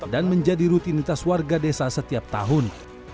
dan menjadi rutinitas warga desa setiap tahun